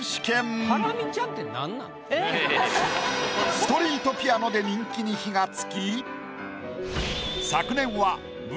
ストリートピアノで人気に火がつき。